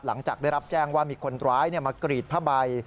หลังจากได้รับแจ้งว่ามีคนร้ายมากรีดผ้าใบ